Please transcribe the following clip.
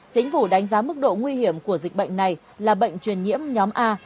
chính phủ đánh giá mức độ nguy hiểm của dịch bệnh này là bệnh truyền nhiễm nhóm a